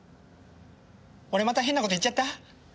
俺また変なこと言っちゃった？